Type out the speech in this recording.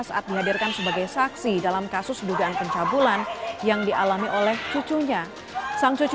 saat dihadirkan sebagai saksi dalam kasus dugaan pencabulan yang dialami oleh cucunya sang cucu